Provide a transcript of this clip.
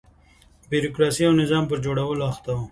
بیروکراسۍ او نظام پر جوړولو اخته و.